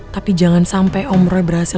tapi jangan sampe om roy berhasil